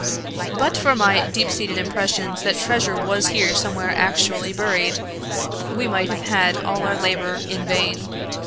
But for my deep seated impressions that treasure was here somewhere actually buried, we might have had all our labor in vain."